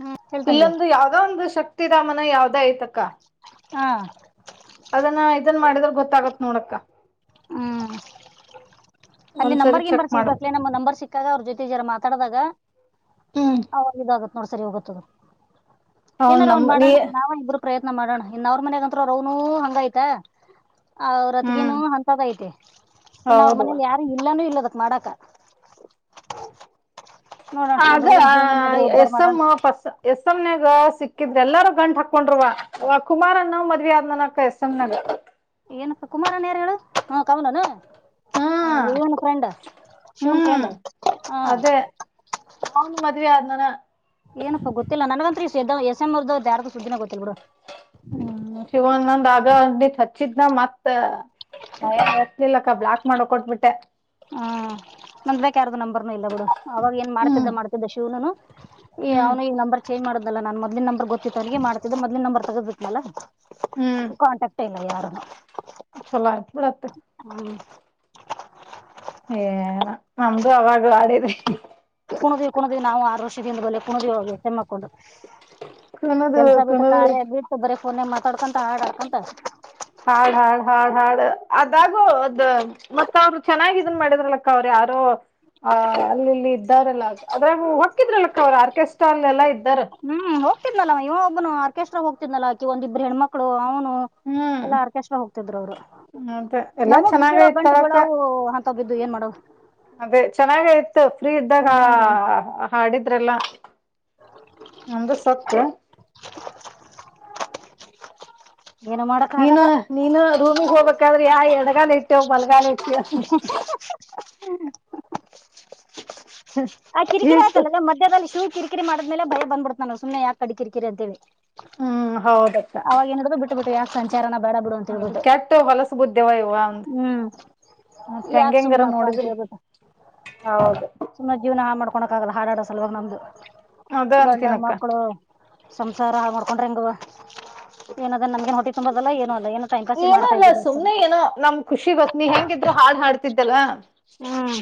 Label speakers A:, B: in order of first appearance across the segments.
A: ಹ್ಮ್ ಹೇಳ್ತಂಗಿ
B: ಇಲ್ಲೊಂದು ಯಾವ್ದೋ ಒಂದು ಶಕ್ತಿಿದಾಮನ ಯಾವ್ದ ಐ್ತಕ್ಕ
A: ಹಾ
B: ಅದನ್ನ ಇದನ್ ಮಾಡಿದ್ರ ಗೊತ್ತಾಗತ್ ನೋಡಕ್ಕ
A: ಹ್ಮ್ ಅಲ್ಲಿ
B: ಒಂದ್ಸರಿ ಚೆಕ್
A: ನಂಬರ್ಗಿನ್ಂಬರ್ ಸಿಗ
B: ಮಾಡ್ಬೇಕು
A: ಬಕ್ಲ ನಮ ನಂಬರ್ ಸಿಕ್ಕಾಗ ಅವ್ರ ಜೊತೆ ಜರ ಮಾತಾಡಿದಾಗ
B: ಹ್ಮ್
A: ಹ ಇದಾಗತ್ ನೋಡ್ಸರಿ ಹೋಗತ
B: ಅವನ್
A: ಏನಾರ
B: ನಮ್
A: ಒಂದ್
B: ನೀ
A: ಮಾಡೋಣ ನಾವ ಇಬ್ಬರು ಪ್ರಯತ್ನ ಮಾಡೋಣ ಇನ್ ಅವ್ರ ಮನಗತ್ತ್ರ ರ ಅವನು ಹಂಗೈತೆ ಅವ್ರ
B: ಹ್ಮ್
A: ಅತಿಗನು ಅಂತದ ಐತೆ ಇನ್ನು ಅವ್ರ
B: ಹೌದುವ
A: ಮನೇಲಿ ಯಾರ ಇಲ್ಲದಕ್ ಮಾಡಕ
B: ಆಗ
A: ಹುಡುಗನ್ ಜೀವನನಾದ್ರೂ ಉದ್ದಾರ
B: ಎಸ್
A: ಮಾಡೋಣ
B: ಎಮ ಪಸ್ ಎಸ್ ಎಮನಾಗ ಸಿ ಹಾಕಿದ್ರ ಎಲ್ಲಾರೂ ಗಂಟ್ ಹಾಕೊಂಡ್ವ ಕುಮಾರ ಅನ್ನ ಮದ್ವಿ ಆದ್ ನನ ಎಸ್ ಎಮ್ನಾಗ
A: ಏನಪ್ಪ ಕುಮಾರನ್ ಯಾರ ಹೇಳು ಹ್ಮ ಕಮಲನು ಹ
B: ಹ್ಮ್
A: ವನು ಕಂಡ ಶಿವನ್
B: ಹ್ಮ್
A: ಕಂಡ ಹಾ
B: ಅವನು ಮದುವೆಯ ಆದನಾನ
A: ಏನಪ್ಪಾ ಗೊತ್ತಿಲ್ಲ ನನಗಂತ್ರ ಎಸ್ ಎಮರ್್ ಯಾರು ಸುದ್ದಿನ ಗೊತ್ತತಿಲ್ ಬಿಡು
B: ಹ್ಮ್ ಶಿವನಂದ್ ಆಗ ಅಿ ಹಚ್ಚಿದನ ಮತ್ತ ಹರ್ಲಿಲ್ಲಕ್ಕ ಬ್ಲಾಕ್ ಮಾಡಕ್ ಕೊಟ್ಬಿಟ್ಟೆ
A: ಹ್ಮ ನಂದ್ ಬೇಕ ಯಾರ್ದು ನಂಬರ್ನು ಇಲ್ಲ ಬಿಡು ಅವವಾಗ ಏನ್ ಮಾಡ್ತಿದ್ದ
B: ಹ್ಮ್
A: ಮಾಡ್ತಿದ್ದ ಶಿವನುನು ಏ
B: ಹ್ಮ್
A: ಅವ್ನು ಈ ನಂಬ ಚೇಜ್ ಮಾಡುದ್ದಲ್ಲ ನಾನ್ ಮೊದ್ಲ್ ನಂಬರ್ ಗೊತ್ತತ್ತು ಅವನಿಗೆ ಮಾಡ್ತಿದ್ದೆ ಮೊದ್ ನಂಬರ್ ತಗದ್ ಬಿಟ್ಲಾ ಕಾಂಟಕ್ ಇಲ್ಲ ಯಾರ
B: ಚಲತ್ ಹತ
A: ಹ್ಮ
B: ಏನ ನಮ್ದು ಅವಾಗ್ಲ ಆಡಿದ್ರಿ
A: ಕುಣುದವಿ ಕುಣುದಿವವಿ ನಾವು ಆರು ರ್ಷದಿಂದ ಬಲೆ ಕುಣದಿವವಿ ಹೋಗಿ ಸಮ್ಮಕ್ಕೊಂಡು
B: ಕುಣದು
A: ಕೆಲ್ಸ ಬಿಟ್ಟ
B: ಕುಣದು
A: ಕಾರ್ಯ ಬಿಟ್ಟು ಬರೀ ಫೋನಾಗ ಮಾತಾಡ್ಕಂತ ಹಾಡ್ಾಡ್ಕಂತ
B: ಹಾ ಹಾ ಹಾ ಹಾ ಅಡು ಗು ಅದ್ ಮತ್ತ ಅವರು ಚೆನ್ನಾಗ ಇದನ್ ಮಾಡಿದ್ರಲಕ್ಕ ಅವ್ರೆ ಯಾರೋ ಅಲ್ಲಿಲ್ಲಿ ಇದಾರೆಲ್ಲ ಆದ್ರ ಹೊಕ್ಕಿದ್ರಕ್ಕ ಅವ ಆರ್ಕೆಸ್ಟ್ರಾ ಅಲ್ಲಲ್ಲ ಇದ
A: ಹ್ಮ್ ಹೋಗ್ತಿದ್ಲವ ಇವ ಒಬ್ಬನು ಆರ್ಕೆಸ್ಟ್ರಾಗ ಹೋಗ್ತಿದ್ಲಾ ಒಂದಿಬ್ಬ ಹೆಣ್ಮಳು ಅವ್ನು ಹ್ಮ
B: ಹ್ಮ್
A: ಎಲ್ಲಾ ಆರ್ಕೆಸ್್ರ ಹೋಗ್ತಿದ್ರು ಅವರು
B: ಅದೇ ಎಲ್ಲಾ
A: ನಮಗ ಬ
B: ಚೆನ್ನಾಗ
A: ಬೀಳ ಗಂಟ
B: ಇತ್ತಳಕ್ಕ
A: ಬೀಳಾವವು ಅಂತವ ಬಿದ್ದು ಏನ್ ಮಾಡವ್
B: ಅದೇ ಚೆನ್ನಾಗಯ್ತು ಫ್ರೀ ಇದ್ದಾಗ
A: ಹ್ಮ್
B: ಹಾಡಿದ್ರೆಲ್ಲ ಒಂದ ಸಕ್
A: ಏನು ಮಾಡಕ್
B: ನೀನು
A: ಆಗಲ್ಲ
B: ನೀನು ರೂಮಿಿಗೆ ಹೋಗ್ಬೇಕಾದ್ರೆ ಯಾ ಎಡಗಾಲ ಇಟ್ಟೇವ ಬಲಗಾಲ ಇಟ್ಟೇ
A: ಹ್ಮ್ ಆ ಕಿರಿಕಿರಿ
B: ಇಟ್ಟು
A: ಆಯ್ತಲ್ಲ ಮಧ್ಯದಲ್ಲಿ ಶೂ ಕಿರಿಕಿರಿ ಮಾಡದ್ಮೇಲೆ ಬಳ ಬಂದ್ಬಿಡ್ತ ನ ಸು್ನೆ ಯಾಕ ಕಡಿ ಕಿರಿಕಿರಿ ಅಂತೇವಿ
B: ಹ್ಮ್ ಹೌದಕ್ಕ
A: ಅವವಾಗೇಏನಡ ಬಿಟ್ಟ ಇಬಿಟ್ಟು ಯಾಕೆ ಸಂಚಾರನ ಬೇಡ ಬಿಡು
B: ಅದು
A: ಅಂತೇಳ್ಬಿಟ್ಟು
B: ಕೆಟ್ಟ ಹೊಲಸ ಬುದ್ಧಿವ ಇವ ಒಂದ್
A: ಹ್ಮ್
B: ಮತ್
A: ಯಾಕ
B: ಹೆಂಗೆಂಗಾರ
A: ಸುಮ್ನಪ್ಪ ಅಂತ
B: ನೋಡಿದಿಲ್
A: ಹೇಳಳ್ಬುದ
B: ಹೌದು
A: ಸುಮ್ಮ ಜೀವನ ಹಾ ಮಾಡ್ಕೊಳಕ್ ಆಗಲ್ಲ ಹಾಡಾಡ ಸಲುವಾಗ ನಮ್ದು
B: ಅದ
A: ಗಂಡ
B: ಅಂತೀನಕ್ಕ
A: ಮಕ್ಕಳು ಸಂಸಾರ ಮಾಡ್ಕೊಂಡ್ರ ಹೆಂಗ ಏನ ಅ ನಮಗೆ ಹೊಟ್ಟೆುಂಬದಲ್ಲ ಏನು ಅಲ್ಲ ಏ ೈ್ ಪಸ್
B: ಏನೋ
A: ಮಾಡತಾ
B: ಅಲ್ಲ
A: ಇದಿದ್ದುೋಸ್ರ
B: ಸುಮ್ನೆ ಏನೋ ನಮ್ ಖುಷಿಗತ್ನ ಹೆಂಗಿದ್ರು ಹಾಡ್ ಹಾಡ್ತಿದ್ದಲ್
A: ಹ್ಮ್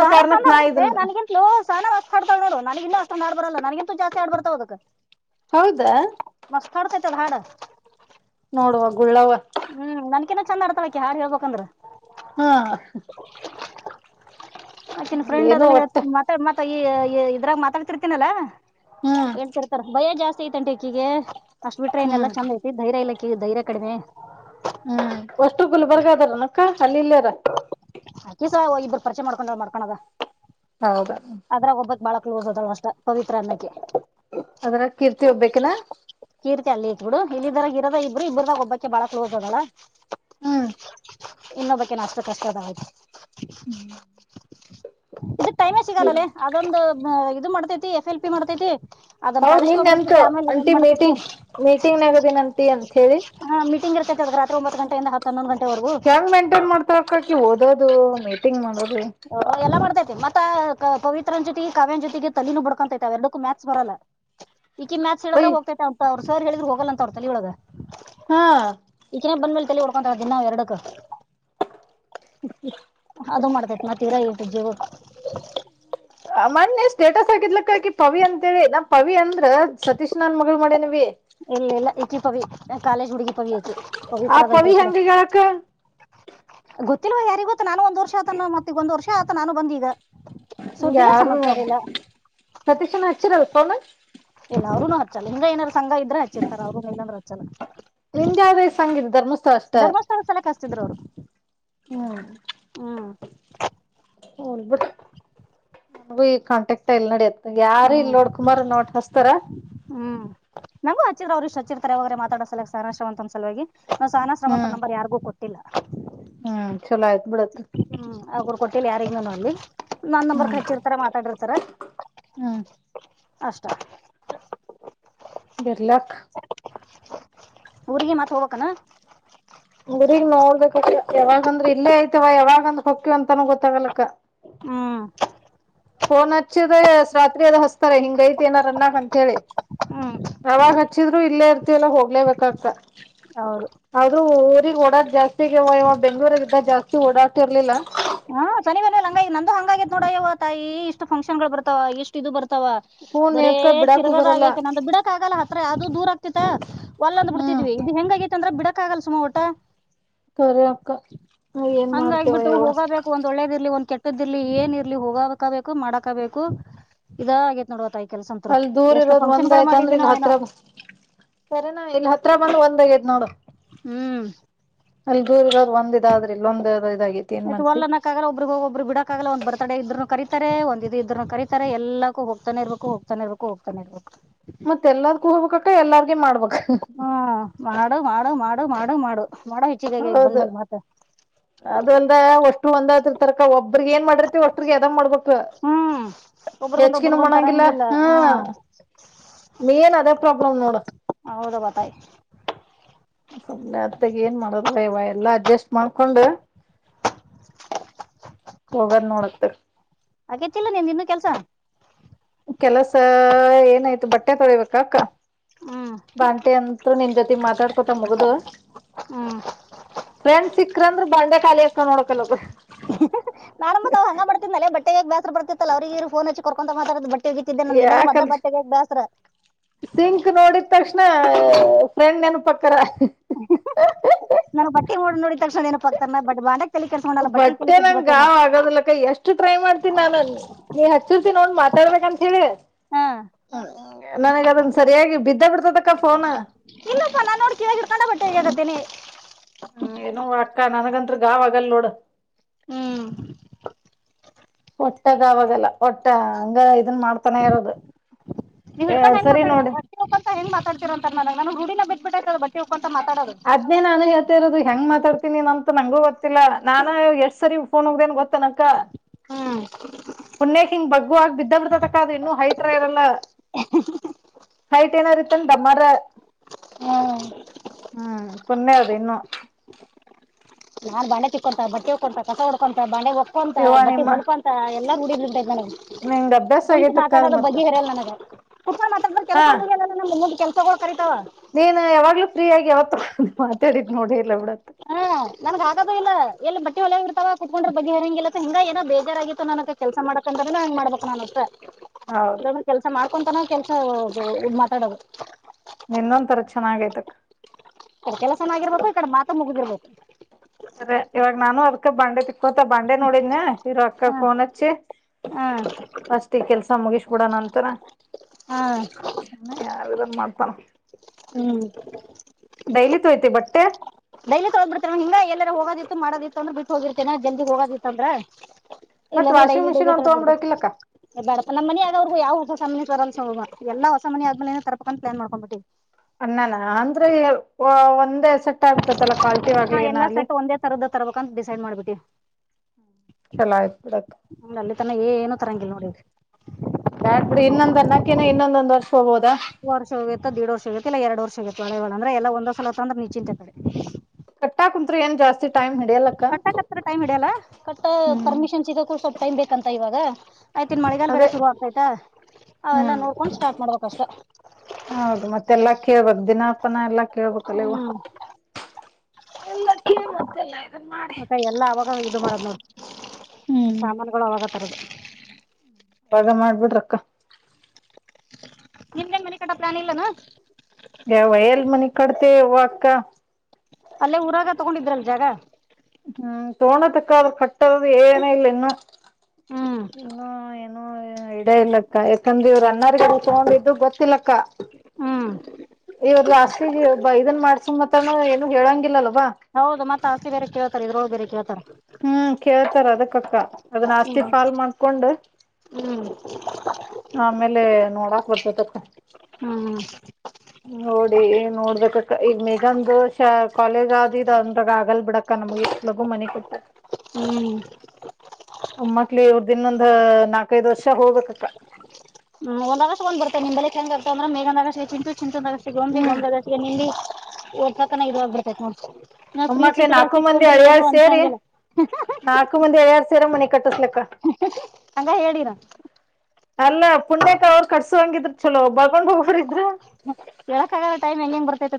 A: ಸಹನ ಚಂದ್
B: ನಾ
A: ಆಡ್ತೆ
B: ಇದನ್
A: ನನಗಿಂತಲೂ ಸಹನ ವಸ್ತ ಆಡ್ತಾಳ ನೋಡು ನನಗಿಂತ ಆಡ್ ಬರಲ್ಲ ನನಗಂತೂ ಜಾಸ್ತಿ ಆಡ್ ಬರ್ತಾ ಹದಕ್
B: ಹೌದಾ
A: ಚ ಹಾಡ
B: ನೋಡುವ ಗುಳ್ಳವ
A: ಏನ ಚಂದ ಆಡ್ತವಕ ಯಾರ್ ಹೇಳ್ಬೇಕಂದ್ರೆ
B: ಹಾ
A: ಮತ್ತತ್ತನ್ ಫ್ರೆಂಡ್
B: ಏನೋ
A: ಅದೆಲ್ಲ ಹಳ್ತ
B: ಒಟ್ಟ
A: ಮಾತಾ ಮ ಈ ಇದ್ರಾಗ ಮಾತಾಡ್ತಿರ್ತೀನಲ್ಲ
B: ಹ್ಮ್
A: ಹೇಳ್ತಿರ್ತಾರೆ ಭಯ ಜಾಸ್ತಿ ಐತೆಂಟ ಈಕ್ಕೀಿಗೆ ಅಷ್ಟ್ ಬಿಟ್ರೆಏನ್ ಎಲ್ಲಾ
B: ಹ್ಮ್
A: ಚಂದ ಐತಿ ಧೈರ್ಯ ಇಲ್ಲಿ ಧೈರ್ಯ ಕಡಿಮೆ
B: ಹ್ಮ್ ವಷ್ಟು ಗುಲ್ಬರ್ಗ ಅದ್ರ್ ನಕ್ಕ ಅಲ್ಲಿ ಇಲ್ಲಾರ
A: ಈಸ ಇಬ್ಬರು ಪಚ ಮಾಡಕೊಂಡ ಮಾಡ್ಕೋದ
B: ಹೌದ
A: ಕ್ಲೋಸ್ ಅದ ಅಷ್ಟ ಪವಿತ್ರ ಅನ್ನ
B: ಅದ್ರಾಗ ಕೀರ್ತಿ ಒಬ್ಬಕಿನಾ
A: ಕೀರ್ತಿ ಅಲ್ಲಿ ಇತ್ ಬಿಡು ಇಲ್ಲ ಇದರಾಗ ಇರದ ಇಬ್ರು ಇಬ್ರದಾಗ ಒಬ್ಬಕ್ಕೆ ಬಾಳ ಕ್ಲೋಸ್ ಅದಲ್ಲಾ
B: ಹಾ
A: ಇನ್ನೊಬ್ ಬಕ ಅಷ್ಟು ಕಷ್ಟ ಅದ ಆು
B: ಹ
A: ಇದದು ಟೈಮೇ ಸಿಗಾಲಲ್ಲೇ ಅದೊಂದು ಇದು ಮಾಡ್ತೈತಿ ಎಫ್ ಎಲ್ ಪಿ ಮಾಡ್ತೈತಿ ಅದೊಂದ್
B: ಹೌದ
A: ಕಾಲೇಜ್
B: ನಿನ್
A: ಹೋಗ್ಬರ್ತೈತಿ
B: ಎಂತು
A: ಆಮೇಲೆ ಇದೊಂದ್
B: ಅಂಟಿ
A: ಮಾಡ್ತೈತಿ
B: ಮೀಟಿಂಗ್ ಮೀಟಿಂಗ್ ಆಗದನ ಅಂಟಿ ಅಂತ ಹೇಳಿ
A: ಹಾ ಮೀಟಿಂಗ್ ಇರ್ತೈತೆ ಅದ ರಾತ್ರಿ ಒಂಬತ್ತು ಗಂಟೆಯಿಂದ ಹತ್ತ ಹನ್ನೊ್ ಗಂಟೆವರೆಗೂ
B: ಅದು ಮೀಟಿಂಗ್ ಮಾಡೋದು
A: ಹ ಎಲ್ಲ ಮಾಡ್ತೇ ಮತ್ತ ಪವಿತ್ರನನ್ ಜೊತೆಗೆ ಕಾವ್ಯನ ಜೊತೆಗೆ ತಲ ನ ಬಿಡ್ಕೊಂತೈತೆ ಅವ್ ಎರಡಕ್ಕೂ ಮ್ಯಾತ್ಸ್ ಬರಲ್ಲ ಈಿಕಿ ಮ್ಯಾತ್ಸ್
B: ಒಯ್
A: ಹೇಳಿದ್ರೆೋಗ್ತಂತ ಅವ್ರು ಸರ್ ಹೇಳ್ರೆ ಹೋಗಲ್ಲಂತ ಅವರ ತಲ ಒಳಗ
B: ಹಾ
A: ಈಕಿನ ಬಂದ ಮೇಲೆ ತಲೆ ಹೊಡ್ಕೊರ್ದೀವಿ ನಾವು ಎರಡಕ್ಕ
B: [inaudible]
A: ಅದು ಮಾಡ್ತೇತಿ ನ ತೀವರ ಇಳ್ತ ಜೀವಕ್ಕೆ
B: ಮಣೆ ಸ್ಟೇಟಸ್ ಆಗ್ಲಕ್ಕಕಿ ಪವಿ ಅಂತೇಳಿ ನಾ ಪವಿ ಅಂದ್ರ ಸತೀಶ್ ನನ್ ಮಗಗಳು ಮಾಡೇನವಿ
A: ಇಲ್ಲ ಇಲ್ಲ ಈಕ್ಕಿ ಪವಿ ಕಾಲೇಜ್ ಹುಡುಗಿ [unintelligible]
B: ಆ
A: ಪವಿತ್ರ ಬಕ
B: ಪವಿ
A: ಹತ್ರ
B: ಹೆಂಗಗ್ಯಾಳಕ್ಕ
A: ಗೊತ್ತಿಲ್ವಾ ಯಾರಿ ಗೊತ್ತ ನಾನು ಒಂದ ವರ್ಷ ಆತ ಮತ್ತೆ ಒಂದಂದು ವರ್ಷ ಆತ ನಾನು ಬಂದ ಈಗ
B: ಹಗೆ ಯಾರು ಸತೀಶ್ನ ಹಚ್ಚಿರಲ್ ಫೋನ.
A: ಅವ್ರನು ಹಚ್ಚಲ್ಲ ಹಿಂಗ ಏನಾರರು ಸಂಘ ಇದ್ರೆ ಹಚ್ಚಿರ್ತಾರ ಅವ್ರನು ನಾದ್ರು ಇಲ್ಲಂದ್ರ ಹಚ್ಚಲ್ಲ
B: ನಿಜಾದೇ ಸಂಗೀತ ಧರ್ಮಸ್ತ ಅಷ್ಟ
A: ಧರ್ಮಸ್ಥಳ ಸಲಕ್ ಹಚ್ತಿದ್ರು ಅವ್ರು
B: ಹ್ಮ್
A: ಹ್ಮ್
B: [unintelligible] ಕಾಂಟ್ಯಾಕ್ಟ್ ಎಲ್ಲಿ ನಡಿಯತ್ ನಂಗೆ ಯಾರ ಇಲ್ಲಿ
A: ಹ್ಮ್
B: ನೋಡ್ ಕುಮಾರ್ ನೋಟ್ ಹಸ್ತಾರ
A: ಅವ್ರರುಷ್ಟ್ ಚಿರ ತರವಾಗ್ರರೆ ಮಾತಾಡಸಲ ಸಾನಾಶ್ರಮಂತ ಸಲುವಾಗಿ ನಾ ಸಾನಾಶ್ರಮಂತ
B: ಹ್ಮ್
A: ನಂಬರ್ ಯಾರಿಗೂ ಕೊಟ್ಟಿಲ್ಲ.
B: ಹ್ಮ್ ಚಲೋ ಆಯ್ತು ಬಿಡು
A: ಹ್ಮ್ ಅವ್ರು ಕೊಟ್ಟಿಲ್ಲ ಯಾರಿಗ್ ನಾನು ಅಲ್ಲಿ ನೋಡ್ಲಿ ನನ್ ನಂಬರ್
B: ಹ್ಮ್
A: ಹಚ್ಚಿರ್ತಾರ ಮಾತಾಡಿರ್ತಾರ ಅಷ್ಟ
B: ಬಿರ್ಲಕ್
A: ಊರಿಗೆ ಮಾತ್ ಹೋಗ್ಬೇಕನ.
B: ಊರಿಗ್ ನೋಡ್ಬೇಕಕ ಯಾವಾಗಂದ್ರ ಇಲ್ಲೇ ಐತವ ಯಾವಾಗಂದ್ರ ಹೊಕ್ಕ್ಯವ ಅಂತಾನೂ ಗೊತ್ತಾಗಲಕ್ಕ
A: ಹ್ಮ್
B: ಫೋಣಚ್ಚ್ದೆ ರಾತ್ರಿ ಅದ ಹಚ್ತಾರೆ ಹಿಂಗ ಐತೆ ಏನ ಅನ್ನರ್ ಅಂತ ಹೇಳಿ
A: ಹ್ಮ್
B: ಅವಾಗ ಹಚ್ಚಿದ್ರು ಇಲ್ಲೇ ಇರ್ ಎಲ್ಲಾ ಹೋಗ್ಲೆಬೇಕಂತ
A: ಹೌದು
B: ಅದು ಊರಿಗ್ ಓಡಾದ್ ಜಾಸ್ತಿಗ್ಯವ ಬೆಂಗ್ಳೂರ ಜಾಸ್ತಿ ಓಡಾ ಇರ್ಲಿಲ್ಲ
A: ಹಾ್ ಮನ ಹಂಗ ನಂದು ಹಂಗಾಗೈತ್ ನೋಡ ಇವ ತಾಯಿ ಇಷ್ಟು ಫಕ್ಷನ್ಗಳು ಬರ್ತಾವ ಇಷ್ಟ ಇದು ಬರ್ತ ವ
B: ಫೋನ್
A: ಬರೇ
B: ಯಾಕ ಬಿಡಾಕು ಬರಲ್ಲ
A: ತಿರ್ಗೋದಾಗ ಬಿಡಕ್ ಆಗಲ್ಲ ಹತ್ರ ಅದು ದೂರ ಆಗ್ ಒಲ್ಲಂದ್
B: ಹ್ಮ್
A: ಬಿಡ್ತಿದ್ವಿ ಇದು ಹೆಂಗಗೈತ್ತ ಅಂದ್ರ ಬಿಡಕ್ ಆಗಲ್ಲ ಸುಮ ಓಟ
B: ಕರೆ ಅಕ್ಕ ಏನ್ ಮಾಡತ್ಯ
A: ಹಂಗಾಗಿಬಿಟ್ಟು
B: ಯಾವ್ವ
A: ಹೋಗಬೇಕು ಒಂದ್ ಒಳ್ಳೇದ ಇರ್ಲಿ ಒಂದ್ ಕೆಟ್ಟದ್ ಇರ್ಲಿ ಏನ್ ಇರ್ಲಿ ಹೋಗಕಬೇಕು ಮಾಡಕ ಬೇಕು ಇದ ಆಗೇ ನೋಡುವ [unintelligible]
B: ಅಲ್ಲಿ ದೂರ್ ಇರೋದು ಒಂದ್ ಆಯ್ತ ಅಂದ್ರೆ ಇಲ್
A: ಏನೋ
B: ಹತ್ರ ಬ ಸರನಾ ಇಲ್ಲಿ ಹತ್ರ ಬಂದ್ ಒಂದ ಅಗಯ್ತ್
A: ಹ್ಮ್
B: ಅಲ್ಲಿ ದೂರ ಇರೋದ್ ಒಂದ ಇದ ಆದ್ರ ಇಲ್ಲ ಒಂದ್ ಇದಾಗೈತಿ ಏನ್
A: ಆಯ್
B: ಮಾಡ್ತಿ
A: ವಲ್ಲ್ಲನಕ್ಕಾಗಲ್ಲ ಒಬರಿಗೆ ಹೋಗ ಒಬ್ರು ಬಿಡಕ್ಕ ಆಾಗ ಒಂದ ಬರ್ ತಡೆ ಇದ್ರರುನು ಕರಿತಾರೆ ಒಂದ ಇದು ಇದ್ರನ್ನು ಕರಿತಾರೆ ಎಲ್ಲಕ್ಕೂ ಹೋಗ್ತಾನೆ ಇರ್ಬೇಕು ಹೋಗ್ತಾನೆ ಇರ್ಬೇಕು ಹೋಗ್ತಾನೆ ಇರ್ಬೇಕು.
B: ಮತ್ತ ಎಲ್ಲಾರ್ಕ್ಕೂ ಹೋಗ್ಬೇಕಕ್ಕ ಎಲ್ಲಾರ್
A: ಹಾ ಮಾಡು ಮಾಡು ಮಾಡು ಮಾಡು ಮಾಡು ಮಾಡೋ ಹೆಚ್ಚಿಗಾಗಿ ಇಲ್
B: ಹೌದು
A: ಬಂದ್ಮೇಲ್ ಮಾತ
B: ಅದಲ್ದೆ ಒ ಒಂದಾದ್ರ ತರಕ ಒಬ್ರಗ್ ಏನ್ ಮಾಡಿರ್ತಿ ಒಟ್ಟ್ರಿಗೆ ಅದ್ ಮಾಡ್ಬೇಕ
A: ಹ್ಮ್ ಒಬ್ರಗೊಂದ್
B: ಹೆಚ್ಚಿಗಿನು
A: ಒಬ್ರಗೊಂದ್
B: ಮಾಡಂಗಿಲ್ಲ
A: ತರಂಗಿಲ್ಲ
B: ಹ್ಮ
A: ಹಾ
B: ಮೇನ್ ಅದೇ ಪ್ರಾಬ್ಲಮ್ ನೋಡ
A: ಹೌದವ ತಾಯಿ
B: ನತ್ತಗ ಏನ್ ಮಾಡದ್ವ ಇವ ಎಲ್ಲಾ ಅಡ್ಜಸ್ಟ್ ಮಾಡ್ಕೊಂಡು ಹೋಗದ್ ನೋಡತ್ತ
A: ಅಗೇತ್ತಿಲ್ಲ ನೀನ್ ಇನ್ನೂ ಕೆಲ್ಸ
B: ಕೆಲಸ ಏನಾಯ್ತು ಬಟ್ಟೆ ತೊರಿಬೇಕ ಅಕ್ಕ
A: ಹ್ಮ್
B: ಬಂಟೆ ಅಂತರು ನಿಮ ಜೊತೆ ಮಾತಾಡ್ಕೊತ ಮುಗ್ದ.
A: ಹ್ಮ್
B: ಫ್ರೆಂಡ್ ಸಿಕ್ಕ್ರಂದ್ರರು ಬಂಡೆ ಖಾಲಿ ಎಕ ನೋಡಕಲ್ ಒಬ್.
A: ಬತ್ರ ಬರ್ತ್ತಲ್ಲ ಅವ್ರಗ ಫೋನ್ ಹಚ್ಚ ಕೊರ್ಕಂತ ಮಾತಾ ತಿಗಿತಿದ್ದೆ ನನ್ಗೆ ಎಲ್ಲಂದರು ಮದ್ಲ
B: ಯಾಕಂದ್ರ
A: ಬಟ್ಟೆೆಗೆ ಬೇಸರ
B: ಸಿಂಕ್ ನೋಡಿದ ತಕ್ಷಣ ಫ್ರೆಂಡ್ ಏನು ಪಕ್ಕರ
A: ನಾನು ಬಟ್ಟಿ ಓಡ್ ನೋಡಿದ ತಕ್ಷಣ ಏನು ಪಕ್ತರ್ ಬಡ್ ಬಾಂಡಕ್
B: ಬಟ್ಟೆ ನಂಗ ಗಾವ್ ಆಗದಲಕ್ಕ ಎಷ್ಟು ಟ್ರೈ ಮಾಡ್ತನಿ ನಾನ್ ನೀ ಹಚ್ಚಿರ್ತೀನ ನೋ ಮತ್ತ ಬೇಕಂತ ಹೇಳಿ
A: ಹಾ
B: ನನಗ ಅದನ್ ಸರಿಯಾಗಿ ಬಿದ್ದ ಬಿಡ್ [unintelligible]
A: [unintelligible] ನಾನ್ ನೋಡ್ಕಾಗಿರ್ಕೊಂಡು ಬಟ್ಟೆ ಒಗ್ಯಾಕತ್ತೀನಿ
B: ಹ್ಮ್ ಏನೋ ಅಕ್ಕ ನನಗಂತ್ರ ಗಾವ್ಗಲ್ ನೋಡ್
A: ಹ್ಮ್
B: ಹೊಟ್ಟದ ಆಗಲ್ಲ ಹೊಟ್ಟೆ ಹಂಗ ಇದನ್ ಮಾಡ್ತಾನೆ ಇರೋದು.
A: ನೀವು ಹಿಡ್ಕೊಂಡ
B: ಎರಡ್
A: ಹೆ
B: ಸರಿ
A: ಮಾತ
B: ನೋಡಿ
A: ಬಟ್ಟಿ ಹಕಂತ ಹೆಂಗ ಮಾತಾತತಿರ ಅಂತ ನು ಹುಡಿನ ಬ ಬಿ ಬಿಟ್ಟೈತದ ಬಟ್ಟಿ ಹಕಂತ [unintelligible]
B: ಅದನೆ ನಾನು ಹೇಳ್ತಾ ಇರೋದು ಹೆಂಗ ಮಾತಾಡ್ತನೆ. ಅಂತ ನಂಗೂ ಗೊತ್ತಿಲ್ಲ ನಾನು ಎಷ್ಟ ಸರಿ ಫೋನ್ ಹೋಗ್ದೇ ಗೊ. ನಕ್ಕ
A: ಹ್ಮ್
B: ಪುಣ್ಯ ಹಿಂಗ್ ಬಗ್. ಆಗುವ ಆಗ ಬಿದ್ದ ಬಿಡ್ತತಕ್ಕ ಅದು ಇನ್ನು ಹೈತರ ಇರಲ್ಲ. ಹೈಟ್ ಏನಾರ ಇತ್ತನ್ ದಮ್ಮಾರ.
A: ಹ್ಮ್
B: ಹ್ಮ್ [unintelligible] ಪ್ಣೆ ಅದ ಇನ್ನೂ.
A: ನಾನ್ ಬಾಣೆ ತಿಕ್ಕೊಂತ ಬಟ್ಟೆ ಹಕೊಂತ ಕಸ ಹೊಡ್ಕೊಂತ ಬಣೆ ಒಕೊಂತ
B: ಯವ್ವ
A: ಬಟ್ಟೆ
B: ನಿಮ್ಮ
A: ಹೊಲ್ಕೊಂತ. ಎಲ್ಲ ಗುಡಿ.
B: ನಿಂಗ್
A: [unintelligible]
B: ಅಭ್ಯಾಸ
A: ಕುಂತ್
B: ಆಗೇತಕ್ಕ ಅದ್
A: ಮಾತಾಡೋದ
B: ಮತ್ತ
A: ಬಗ್ಗೆ ಹರಯಲ್ಲ ನನಗೆ ಕುಟ್ ಮಾತಾಡಬ ಕೆಲಸ
B: ಹಾ
A: [unintelligible] ಸತವಾ. [unintelligible]
B: ನೀನ್ ಯಾವಾಗ್ಲೂ ಫ್ರೀ ಆಗಿ ಯಾವತ್ ಮಾತಾಡಿದ್ ನೋಡಿಲ್ಲ ಬಿಡು
A: ನನ್ಗ್ ಆಗೋದು ಇಲ್ಲ ಎಲ್ಲಿ ಬಟ್ಟಿ ಹೊಲಂಗ ಇತ ಕ ಕುತ್ಕೊಂಡ್ರ ಬಗ್ರಂಗ ಇಲ್ಲತ್ತ ಹಿಂಗ ಏನೋ ಬೇಜಾರ ಆಗಿತ್ತು ನನಗೆ ಕೆಸ ಮಾಡಕ್ರೆ. ಅ ಹೆಂಗ್ ಮಾಡ್ಬೇಕ ನುತ್ತೆ
B: ಹೌದು
A: [unintelligible] ಕೆಲ್ಸ ಮಾಡ್ಕೊಂತನ ಕೆಲ್ಸ ಮಾತಾಡೋದು.
B: ನಿನ್ನೊಂದ್ ತರ ಚೆನ್ನಾಗ ಐತಕ್.
A: ಕ ಕೆಲಸನಾಗಿರ್ಬೇಕು ಈ ಕಡೆ ಮಾತ ಮುಗುದಿರ್ಬೇಕು.
B: ಸರಿ ಇವಾಗ ನಾನು ಅದಕ ಬಂಡೆ ತಿಕ್ಕಕೊತ ಬಂಡೆ ನೋಡಿದ್ನ ಇ ಅಕ್ಕ
A: ಹಾ
B: ಫೋನ್ ಹಚ್ಚಿ.
A: ಹಾ
B: ಫಸ್ಟ್ ಈ ಕೆಲ್ಸ ಮುಗಿಸ್ಬಿಡ ನಂತರ.
A: ಹಾ
B: ಯ ಇದಲ್ಲ ಮಾಡ್ತಾನ.
A: ಹ್ಮ್.
B: ಡೈಲಿ ತೋಯ್ತಿ ಬಟ್ಟೆ.
A: ಡೈಲಿ ತಗೊಂಡ್ ಬಿರ್ತೇನೆ ಹಿಂಗ ಎಲ್ಲಾರ ಹೋಗೋದಿತ್ತು ಮಾಡೋದಿತ್ತುಂದ್ರೆ ಬಿಟ್ಟು ಹೋಗಿರ್ತೇನೆ ಜಲ್ದಿ ಹೋಗೋದಿತ್ತು ಅಂದ್ರೆ.
B: ಮತ್
A: ಇಲ್ಲಾಂದ್ರೆ
B: ವಾಷಿಂಗ್
A: ಡೈಲಿ
B: ಮಿಷಿನ್
A: ಡೈಲಿ
B: ಒಂದ್
A: ತಡದಬಡ್ದೆ
B: ತಗೊಂಡ್ಬಿಡಕಿಲ್ಲಕ್ಕ
A: ಬಡ ನಮ್ಮನ ಆ ಆದೋವ್ರಗು ಯಾವ ಹೊಸ. ಯಲ್ಲ ಹೊಸ ಮನಿ ಆದ್ಮೇಲೆನೆ ತರಬೇಕು ಅಂತ ಪ್ಲಾನ್ ಮಾಡ್ಕೊಂಡಿದೀವಿ.
B: ಅಣ್ಣನ ಅಂದ್ರೆ ಒಂದೇ ಸೆಟ್ ಆಗ್ತಲ್ಲ ಕಾ.
A: ಹಾ ಎಲ್ಲಾ ಸೆಟ್ ಒಂದೇ ತರದ ತರಬೇಕ ಅಂತ ಡಿಸೈಡ್ ಮಾಡ್ಬಿಟ್ಟಿ.
B: ಚಲ ಆಯ್ತುಡ.
A: ಅಲ್ಲಿ ತನ ಏನು ತರಂಗಿಲ್ಲ ನೋಡಿ
B: ಬ್ಯಾಡ್ ಬಿಡಿ ಇನ್ನೊಂದ ಅನ್ನಕ್ಕನ ಇನ್ನೊಂದೊಂದ್ ವರ್ಷ. ಹೋಗ್ಬೋದಾ
A: ವರ್ಷ ಹೋಗುತ್ತತ್ತ ದಡ್ ವರ್ಷ ಆಗುತ್ತೆ ಇಲ್ಲ ಎರಡು ವರ್ಷ ಆಗತ್ತ ಒಳೆಳ ಅಂದ್ರೆ ಎಲ್ಲ ಒಂದಸಲ ಅಂದ್ರೆ ನಿಚಿಂತೆ ಕಡೆ.
B: ಕಟ್ಟಾ ಕುಂತ್ ಏನ್ ಜಸ್ತಿ ಟೈಮ್. ಹಿಡಿಯಲ್ಲಕ್ಕ
A: ಕಟ್ಟಕ್ ಹತ್ತ ಟೈಮ್ ಇಡಿಯಲ್ಲ ಕಟ್ಟ
B: ಹ್ಮ್
A: ಪರ್ಮಿಷನ್ ಸಿಗಕೂ ಸ್ವಲ್ಪ ಟೈಮ್ ಬೇಕಂತ ಇವಾಗ. ಆಯ್ತು ಇನ್ನು ಮಳೆಗಾಲ ಬೇರೆ
B: ಅದೇ
A: ಶುರು ಆಗ್ತೈತೆ ಅವೆಲ್ಲ
B: ಹ್ಮ್
A: ನೋಡ್ಕೊಂಡು ಸ್ಟಾರ್ಟ್ ಮಾಡ್ಬೇಕಷ್ಟೆ.
B: ಹೌದು ಮತ್ತೆಲ್ಲಾ ಕೇಳ್ಬ ದಿನಾಪನ ಎಲ್ಲಾ ಕೇಳ್ಬೇಕಲ್ಲ ಇವ.
A: ಹ್ಮ್ ಮತ್ತೆ ಎಲ್ಲ ಅವಾಗ ಇದು ಮಾಡದು ನೋಡ
B: ಹ್ಮ್
A: ಸಾಮಾನುಗಳು ಅವಾಗ. ಅ [unintelligible]
B: ಅವಾಗ ಮಾಡ್ಬಿಟ್ರಕ್ಕ.
A: ನಿಮ್ದೇನ್ ಮನಿ ಪ್ಲಾನ್ ಇಲ್ಲ ನ.
B: ಯಾವ ಎಲ್ ಮನಿ ಕಡ್ತೆ ವಕ್ಕ.
A: ಅಲ್ಲೇ ಊರಾಗ ತಗೊಂಡಿದ್ರಲ್ ಜಾಗ.
B: ಹ್ಮ್ ತೋಳ ತಕ್ಕಾದ್ರ ಕಟ್ಟದ ಏನ ಇಲ್ಲ ಇನ್ನುೂ.
A: ಹ್ಮ್
B: ಇನ್ನು ಏನೋ ಇಡ ಇಲ್ಲಕ್ಕ ಯಾಕಂದ್ರ ಇವರು ಅನ್ನಾರ ತಗೊಂಡಿದ್ದು ಗೊತ್ತಿಲ್ಲಕ್ಕ.
A: ಹ್ಮ್
B: ಇವದ ಅಷ್ಟ ಇದನ್ ಮಾಡ್ಸ ಮಾತ್ರಾನ ಏನ ಹೇಳಂಗಿಲ್ಲಲ್ಲ.
A: ಹೌದು ಮತ್ತ ಹಸಿ ಬರೆ ಕೇಳ್ತಾರೆ ಇದ್ರಳ ಬೇರೆ ಕೇಳ್ತಾರೆ.
B: ಹ್ಮ್ ಕೇಳ್ತಾರ ಅದಕ್ಕಕ್ಕ ಅದನ್ನ ಆಸ್ತಿ
A: ಹ್ಮ್
B: ಫಾಲ್ ಮಾಡ್ಕೊಂಡು.
A: ಹ್ಮ್
B: ಆಮೇಲೆ ನೋಡಾಕ್ ಬರ್ತತೆ
A: ಹ್ಮ
B: ನೋಡಿ ನೋಡ್ಬೇಕಕ್ಕ ಈಗ ಮೇಘಾದು ಕಾಲೇಜ್ ಆದ ಇದ ಅಂದ್ರಾಗ ಆಗಲ್ ಬಿಡಕ್ಕ ನಮ ಮ ಮನೆ [unintelligible]
A: ಹ್ಮ್ [inaudible]
B: ಅಮ್ಮಕ್ಳ ಅವ್ರ ದನ್ೊಂದ [unintelligible] ನಾಕೈದ ವರ್ಷ ಹೋಗ್ಬೇಕಕ್ಕ
A: ಹ್ಮ ಒಂದ್ಗಸಕಗ್ ಬರ್ತತೆ ನಿಂಬ ಬ ಚೆ್ರ್ೆ ಅ್ರ ಮೇಗದಗಸ ಚಿಂತು ಚಿಂತು ಅಗಸ ಗಂದ್ ಗ
B: ಹ್ಮ್
A: ಒಂದ್ಗಸಿಗೆ ನಿಮಲ್ಲಿ [unintelligible] ಒಓರ್ತತನ ಇ ಆಾಗ್ ಬಿರ್ತೈ ನೋಡ್ [inaudible] ಫ್ರೀ
B: ಒಮ್ಮಕ್ಳ
A: ಸೀಟ್ಗಳು
B: ನಾಲ್ಕು
A: ಸಿಕ್ಕು
B: ಮಂದಿ
A: ಅಂದ್ರೆ ಏನು
B: ಅಳ್ಯಾರ್ ಸೇರಿ
A: ಅನ್ಸಂಗಿಲ್ಲ
B: ನಾಲ್ಕು ಮಂದಿ ಅಳ್ಯಾರ್ ಸರಮನ ಕಟ್ಿಸಲ್ಲಕ್ಕ [unintelligible]
A: ಹಂಗ ಹೇಳಿರ
B: ಅಲ್ಲಾ ಪುಣ್ಯಕ ಅವರು ಕಟ್ಸ ಹಂಗಿದ್ರರು ಚಲೋ ಬರ್ಕೊಂಡ್ ಹೋಗ್ಬರಿದ್ರ
A: ಬೆಳಕಾಗ ಟೈಮ್ ಹೆಂಗ ಬರ್ತೈತಿ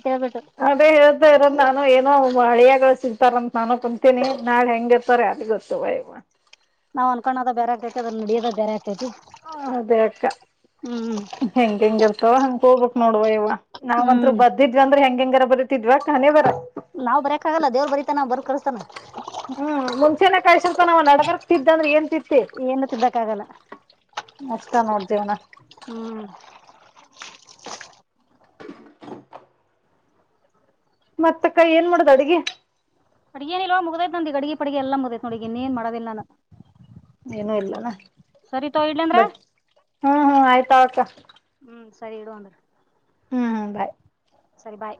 B: ಅದೇ ಹೇಳ್ತಾ ಇರಲ್ಲ ನಾನು ಏನೋ ಹಳಿಯಾಗಳ ಸಿಗ್ತಾರಂತ ನಾನು ಕುಂತೀನಿ ನಾಳೆ ಹೆಂಗ ಇರ್ತಾರೆ ಅದ ಗೊತ್ತು ಬ ಇವ [inaudible]
A: ನಾವು ಅನ್ಕೋದ ಬರೆ ಆತದ್ರ ನಡೋದ ಬೇ ಆಗ್
B: ಅದೇ ಅಕ್ಕ
A: ಹ್ಮ್
B: ಹೆಂಗ ಹೆಂಗಗೆಲ್ಸ ಹ ಹಂಗ್ ಹೋಗ್ಬೇಕಕ್ ನೋಡುವ ಇವ ನಾವ್ಂತ್ರರು
A: ಹ್ಮ್
B: ಬರ್ದಿದ್ವಿ ಅಂದ್ರೆ ಹೆಂಗ ಹೆಂಗಾರ ಬರೀತಿದ್ವಾಖಾನೇ ಬರ
A: ನಾವ್ ಬರಕಾಗಲ್ಲ ದೇವರು ಬರಿತ ನ ಬರ್ ಕಸ್ತಾರ
B: ಹ್ಮ್ ಮುಂಚೆನನೆ ಕಾಯಿ ಸ್ವಲ್ಪ ನಾವ್ ನಡಗರಕ್ ತಿದ್ದಂದ್ರೆ ಏನ್ ತ [inaudible]
A: ಏನ ತಿದ್ದಕ್ಕ ಆಗಲ್ಲ
B: ಅಷ್ಟ ನೋಡ್ ಜೀವನ
A: ಹ್ಮ್
B: ಮತ್ತಕ್ಕೈ ಏನ್ ಮಾಡದ ಅಡಿಗೆ
A: ಅಡುಗೇನ ಇಲ್ ಮುಗ್ದೈ್ ನಂದಿ ಅಡಿಗೆ ಪಡಿಗೆ ಎಲ್ಲ ಮುಗೈ ನೋಡಿ ಇ ನೀೇಏನು ಮಾಡದಿಲ್ಲ ನಾನು
B: ಏನುೂ ಇಲ್ಲನಾ
A: ಸರಿ ತೋ ಇಡ್ಲಿ ಅಂದ್ರ
B: ಬಟ್ ಹ್ಮ್ ಹ್ಮ್ ಆಯ್ತಾ ಆಕ್ಕ [unintelligible]
A: ಹ್ಮ್ ಸರಿ ಇಡು ಅಂದ
B: ಹ್ಮ್ ಹ್ಮ ಬಾಯ್
A: ಸರಿ ಬಾಯ್